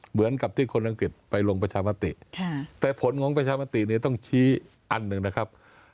เหมือนกับที่คนอังกฤษไปลงประชามติแต่ผลของประชามติเนี่ยต้องชี้อันหนึ่งนะครับ